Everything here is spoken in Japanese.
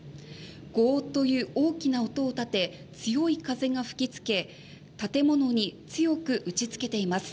ゴーという大きな音を立て強い風が吹きつけ建物に強く打ちつけています。